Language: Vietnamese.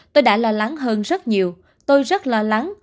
tôi đã lo lắng hơn rất nhiều tôi rất lo lắng